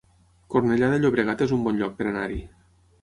Cornellà de Llobregat es un bon lloc per anar-hi